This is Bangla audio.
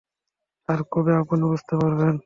আর কবে আপনি বুঝতে পারবেন?